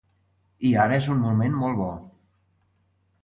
I ara és un moment molt bo.